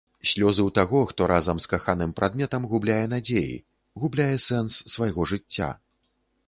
Слёзы ў таго, хто разам з каханым прадметам губляе надзеі, губляе сэнс свайго жыцця.